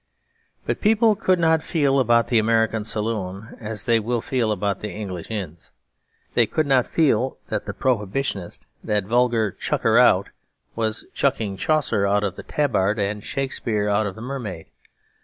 But people could not feel about the American saloon as they will feel about the English inns. They could not feel that the Prohibitionist, that vulgar chucker out, was chucking Chaucer out of the Tabard and Shakespeare out of the Mermaid.